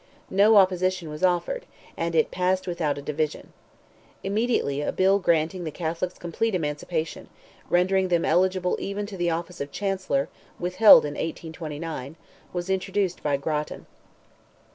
No opposition was offered—and it passed without a division. Immediately, a bill granting the Catholics complete emancipation—rendering them eligible even to the office of Chancellor, withheld in 1829—was introduced by Grattan.